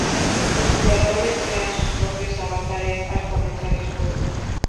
Los jugadores crean sus propios avatares al comenzar el juego.